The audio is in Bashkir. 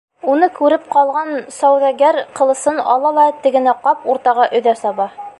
Уны күреп ҡалған сауҙагәр ҡылысын ала ла тегене ҡап уртаға өҙә саба.